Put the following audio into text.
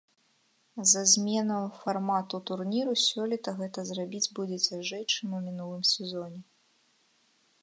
З-за зменаў фармату турніру сёлета гэта зрабіць будзе цяжэй, чым у мінулым сезоне.